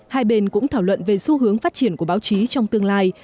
hai bên cũng thảo luận về xu hướng phát triển của báo chí trong tương lai